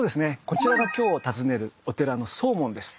こちらが今日訪ねるお寺の総門です。